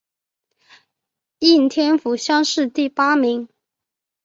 应天府乡试第八名。